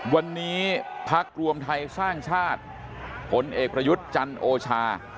วันนี้พักรวมไทยสร้างชาติผลเอกประยุทธ์จันโอชา